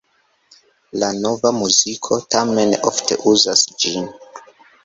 La Nova muziko tamen ofte uzas ĝin.